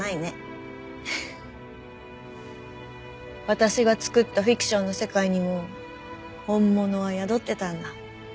私が作ったフィクションの世界にも本物は宿ってたんだ。